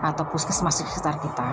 atau puskesmas sekitar kita